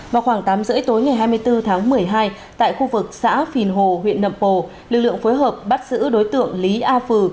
vào khoảng tám h ba mươi tối ngày hai mươi bốn tháng một mươi hai tại khu vực xã phìn hồ huyện nậm pồ lực lượng phối hợp bắt giữ đối tượng lý a phừ